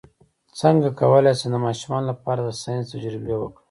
څنګه کولی شم د ماشومانو لپاره د ساینس تجربې وکړم